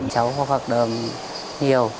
cháu có phạt đờm nhiều